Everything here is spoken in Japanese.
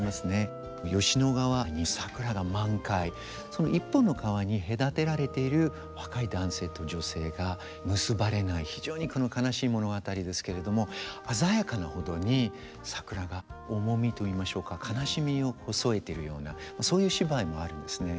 その一本の川に隔てられている若い男性と女性が結ばれない非常に悲しい物語ですけれども鮮やかなほどに桜が重みといいましょうか悲しみを添えてるようなそういう芝居もあるんですね。